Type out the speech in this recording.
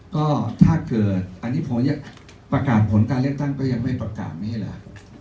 ก็ถ้าเกิดอันนี้ผมจะประกาศผลการเลือกตั้งก็ยังไม่ประกาศนี้เลย